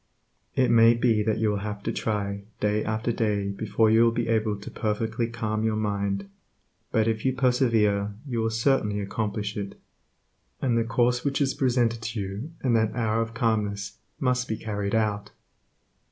It may be that you will have to try day after day before you will be able to perfectly calm your mind, but if you persevere you will certainly accomplish it. And the course which is presented to you in that hour of calmness must be carried out.